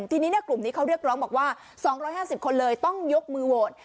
ทีนี้กลุ่มนี้เขาเรียกร้องบอกว่า๒๕๐คนเลยต้องยกมือโหวต